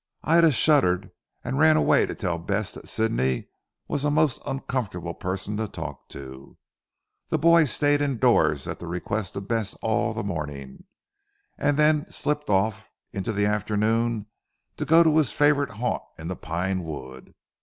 Ida shuddered and ran away to tell Bess that Sidney was a most uncomfortable person to talk to. The boy stayed indoors at the request of Bess all the morning, and then slipped off in the afternoon to go to his favourite haunt in the pine wood.